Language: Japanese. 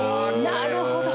なるほど！